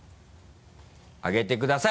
あげてください